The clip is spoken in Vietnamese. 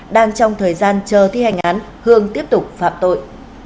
đang trong thời gian chờ thi hành án hương tiếp tục phạm tội